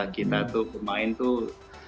kita tuh pemain tuh